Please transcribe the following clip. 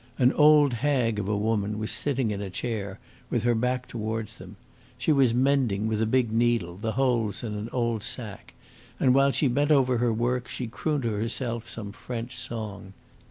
An old hag of a woman was sitting in a chair with her back towards them. She was mending with a big needle the holes in an old sack, and while she bent over her work she crooned to herself some French song.